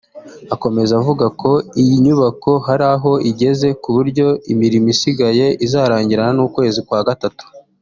Akomeza avuga ko iyi nyubako hari aho igeze ku buryo imirimo isigaye izarangirana n’ukwezi kwa gatatu